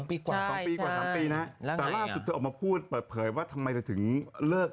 ปีกว่า๒ปีกว่า๓ปีนะแต่ล่าสุดเธอออกมาพูดเปิดเผยว่าทำไมเธอถึงเลิก